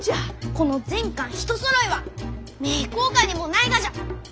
この全巻一そろいは名教館にもないがじゃ！